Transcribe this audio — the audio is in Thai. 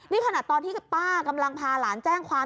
นี่ขนาดตอนที่ป้ากำลังพาหลานแจ้งความ